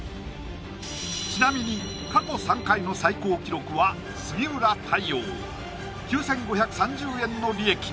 ちなみに過去３回の最高記録は杉浦太陽９５３０円の利益